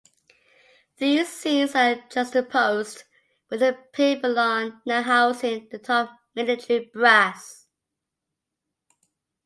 These scenes are juxtaposed with the pavilion, now housing the top military brass.